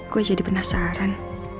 gue jadi penasaran